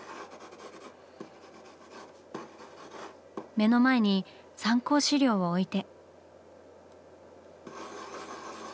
目の前に参考資料を置いて。